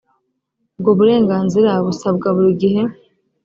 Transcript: ubwo burenganzira busabwa buri gihe